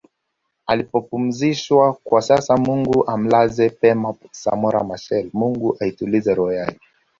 alipopumzishwakwa sasa Mungu amlaze pema Samora Machel Mungu aitulize roho yake